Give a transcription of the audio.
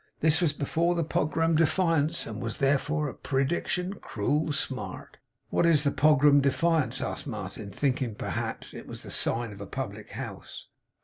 This was before the Pogram Defiance, and was, therefore, a pre diction, cruel smart.' 'What is the Pogram Defiance?' asked Martin, thinking, perhaps, it was the sign of a public house.